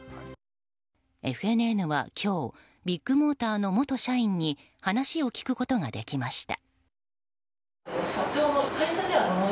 ＦＮＮは今日ビッグモーターの元社員に話を聞くことができました。